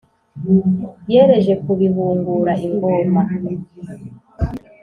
yereje kubihungura ingoma.